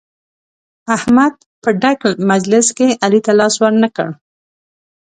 احمد په ډک مجلس کې علي ته لاس ور نه کړ.